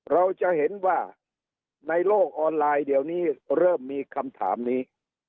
เราจะเห็นว่าในโลกออนไลน์เดี๋ยวนี้เริ่มมีคำถามนี้